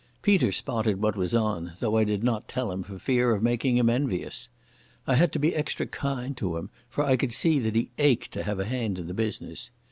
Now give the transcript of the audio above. Peter spotted what was on, though I did not tell him for fear of making him envious. I had to be extra kind to him, for I could see that he ached to have a hand in the business.